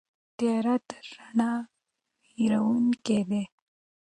تیاره تر رڼا وېروونکې ده.